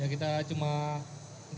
jadi kita harus ajak jepang untuk menenixik